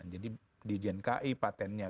jadi di jnki patentnya